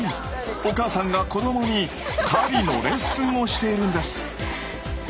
お母さんが子どもに狩りのレッスンをしているんです。